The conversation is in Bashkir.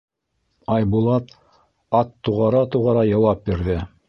Айбулат ат туғара-туғара яуап бирҙе: